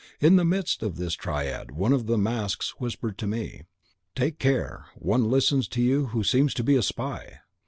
In the midst of this tirade one of the masks whispered me, "'Take care. One listens to you who seems to be a spy!